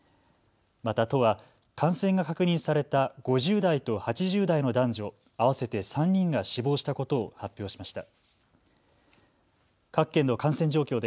また都は感染が確認された５０代と８０代の男女合わせて３人が死亡したことを発表しました。